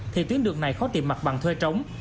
thì tuyến đường này khó tìm mặt bằng thuê trống